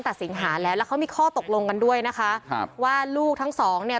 สิงหาแล้วแล้วเขามีข้อตกลงกันด้วยนะคะครับว่าลูกทั้งสองเนี่ย